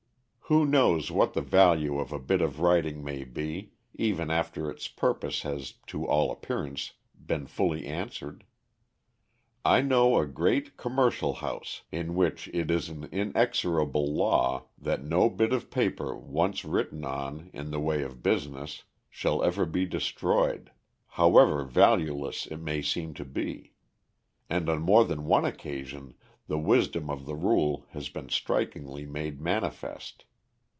Who knows what the value of a bit of writing may be, even after its purpose has to all appearance been fully answered? I know a great commercial house in which it is an inexorable law that no bit of paper once written on in the way of business shall ever be destroyed, however valueless it may seem to be; and on more than one occasion the wisdom of the rule has been strikingly made manifest.